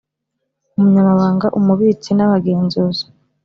Umunyamabanga Umubitsi n Abagenzuzi